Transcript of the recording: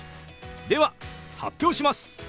では発表します！